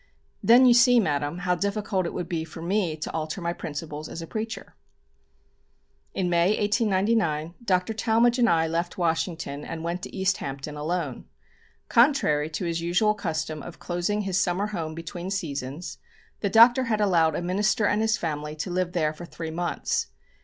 "Then you see, Madame, how difficult it would be for me to alter my principles as a preacher." In May, 1899, Dr. Talmage and I left Washington and went to East Hampton alone. Contrary to his usual custom of closing his summer home between seasons, the Doctor had allowed a minister and his family to live there for three months.